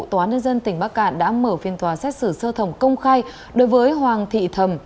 tòa án nhân dân tỉnh bắc cạn đã mở phiên tòa xét xử sơ thẩm công khai đối với hoàng thị thầm